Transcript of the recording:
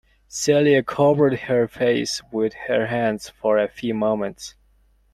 Celia covered her face with her hands for a few moments.